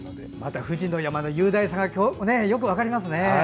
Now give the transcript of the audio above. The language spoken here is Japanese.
富士の山の雄大さがよく分かりますね。